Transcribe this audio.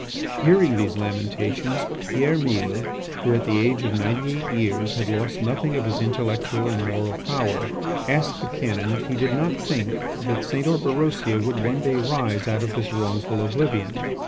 Hearing these lamentations, Pierre Mille, who at the age of ninety eight years had lost nothing of his intellectual and moral power, asked, the canon if he did not think that St. Orberosia would one day rise out of this wrongful oblivion.